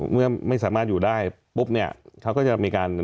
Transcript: เมื่อไม่สามารถอยู่ได้ปุ๊บเนี่ยเขาก็จะมีการ